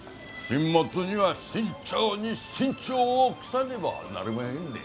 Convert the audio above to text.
進物には慎重に慎重を期さねばなりまへんで。